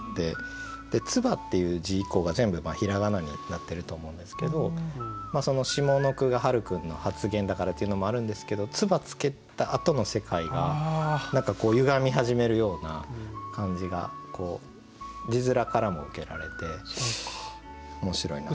「唾」っていう字以降が全部平仮名になってると思うんですけど下の句がはる君の発言だからっていうのもあるんですけど唾つけたあとの世界が何かゆがみ始めるような感じが字面からも受けられて面白いなと。